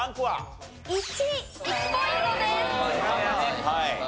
はい。